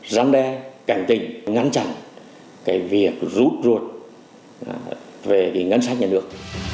giám đe cảnh tỉnh ngăn chặn cái việc rút ruột về cái ngân sách nhà nước